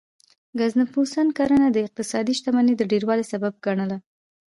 ګزنفون کرنه د اقتصادي شتمنۍ د ډیروالي سبب ګڼله